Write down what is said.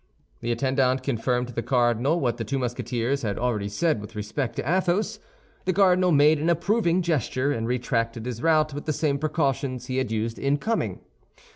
The attendant confirmed to the cardinal what the two Musketeers had already said with respect to Athos. The cardinal made an approving gesture, and retraced his route with the same precautions he had used in coming.